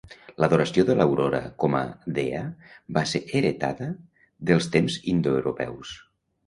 L'adoració de l'aurora com a dea va ser heretada dels temps indoeuropeus.